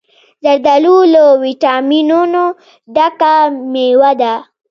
زردالو له ویټامینونو ډکه مېوه ده.